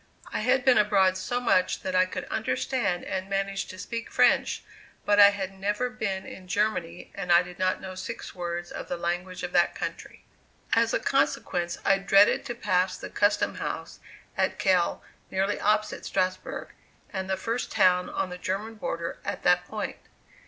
I had been abroad so much that I could understand and manage to speak French, but I had never been in Germany and I did not know six words of the language of that country. As a consequence, I dreaded to pass the custom house at Kehl, nearly opposite Strasbourg, and the first town on the German border at that point.